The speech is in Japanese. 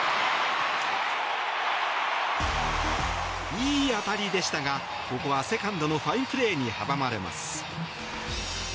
いい当たりでしたがここはセカンドのファインプレーに阻まれます。